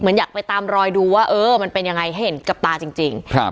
เหมือนอยากไปตามรอยดูว่าเออมันเป็นยังไงเห็นกับตาจริงจริงครับ